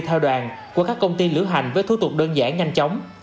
theo đoàn của các công ty lưỡng hành với thú tục đơn giản nhanh chóng